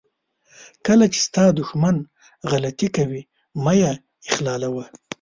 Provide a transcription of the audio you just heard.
کله چې ستا دښمن غلطي کوي مه یې اخلالوه.